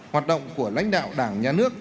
hoạt động của lãnh đạo đảng nhà nước